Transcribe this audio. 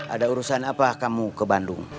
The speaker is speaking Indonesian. ada urusan apa kamu ke bandung